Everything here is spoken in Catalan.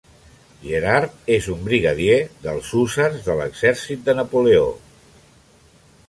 Gerard és un brigadier dels hússars de l'exèrcit de Napoleó.